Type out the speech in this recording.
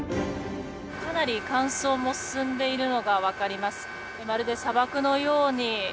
かなり乾燥も進んでいるのがわかります。